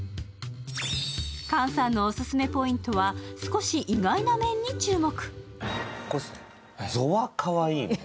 菅さんのオススメポイントは、少し意外な面に注目。